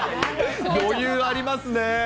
余裕ありますね。